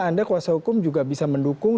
anda kuasa hukum juga bisa mendukung